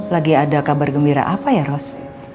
lagi ada kabar gembira apa ya ros